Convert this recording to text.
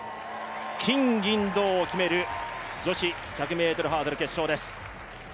金、銀、銅を決める女子１００ｍハードル決勝です。